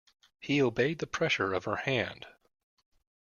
He obeyed the pressure of her hand.